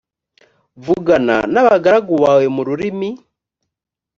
vugana n abagaragu bawe mu rurimi